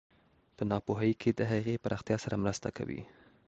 په ناپوهۍ کې د هغې پراختیا سره مرسته کوي.